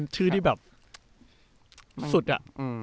ชื่อที่แบบสุดอะ